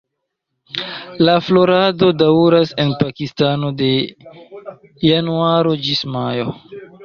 La florado daŭras en Pakistano de januaro ĝis majo.